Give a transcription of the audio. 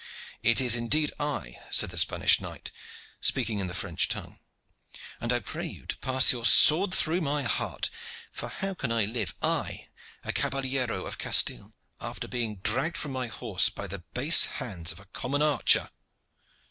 "It is indeed I," said the Spanish knight, speaking in the French tongue, "and I pray you to pass your sword through my heart, for how can I live I, a caballero of Castile after being dragged from my horse by the base hands of a common archer?"